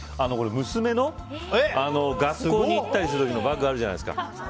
娘の学校に行ったりする時のバッグあるじゃないですか。